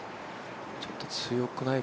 ちょっと強くない？